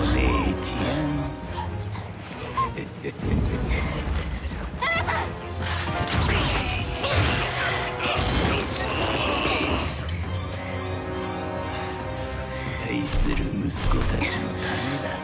「ＢＥＡＴ」愛する息子たちのためだ。